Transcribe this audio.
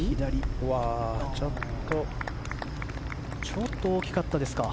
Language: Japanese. ちょっと大きかったですか。